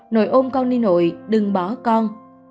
nội ôm con đi nội đừng bỏ con